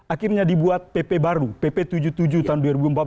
akhirnya dibuat pp baru pp tujuh puluh tujuh tahun dua ribu empat belas